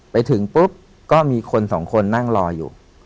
ไปถึงปุ๊บก็มีคนสองคนนั่งรออยู่